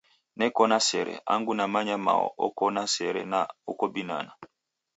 Neko na sere, angu namanya mao oko na sere na oko binana.